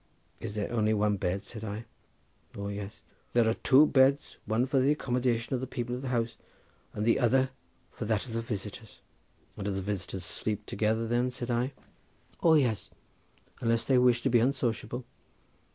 "Is there only one bed?" said I. "O yes, there are two beds, one for the accommodation of the people of the house and the other for that of the visitors." "And do the visitors sleep together then?" said I. "O yes! unless they wish to be unsociable.